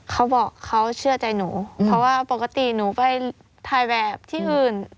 เขาบอกเขาเชื่อใจหนูเพราะว่าปกติหนูไปถ่ายแบบที่อื่น